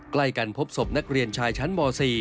ใกล้กันพบศพนักเรียนชายชั้นม๔